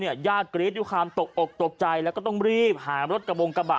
เนี่ยยากกรี๊ดอยู่ความตกอกตกใจแล้วก็ต้องรีบหารถกระบงกระบะ